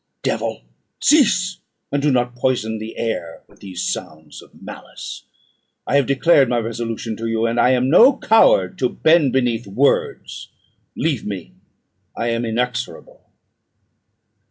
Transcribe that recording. "Devil, cease; and do not poison the air with these sounds of malice. I have declared my resolution to you, and I am no coward to bend beneath words. Leave me; I am inexorable."